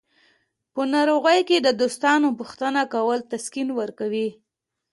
په ناروغۍ کې د دوستانو پوښتنه کول تسکین ورکوي.